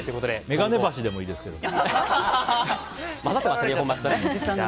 メガネ橋でもいいですけど。